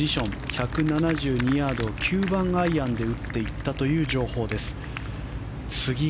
１７２ヤードを９番アイアンで打っていったという情報です。